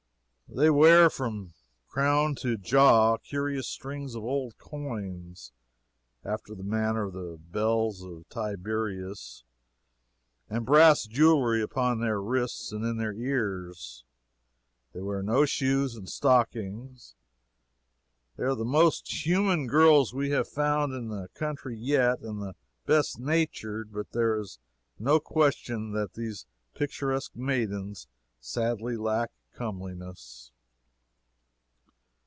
They wear, from crown to jaw, curious strings of old coins, after the manner of the belles of Tiberias, and brass jewelry upon their wrists and in their ears. They wear no shoes and stockings. They are the most human girls we have found in the country yet, and the best natured. But there is no question that these picturesque maidens sadly lack comeliness.